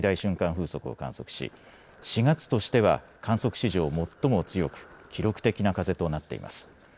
風速を観測し４月としては観測史上最も強く記録的な風となっています。